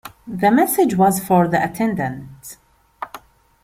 The message was for the attendant.